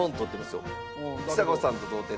ちさ子さんと同点。